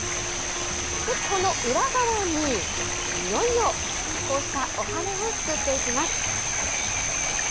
この裏側に、いよいよお花を作っていきます。